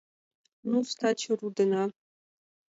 — Ну-с, таче рудена...